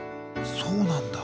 そうなんだ。